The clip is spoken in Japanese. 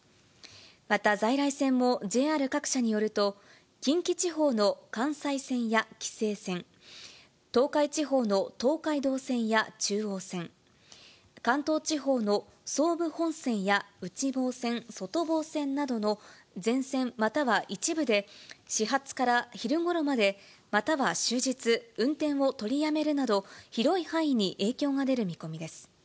また在来線もＪＲ各社によると、近畿地方の関西線や紀勢線、東海地方の東海道線や中央線、関東地方の総武本線や内房線、外房線などの全線または一部で始発から昼ごろまで、または終日、運転を取りやめるなど、広い範囲に影響が出る見込みです。